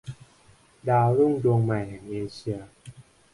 ดาวรุ่งดวงใหม่แห่งเอเชีย